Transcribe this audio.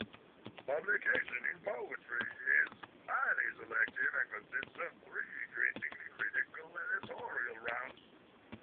Publication in "Poetry" is highly selective and consists of three increasingly critical editorial rounds.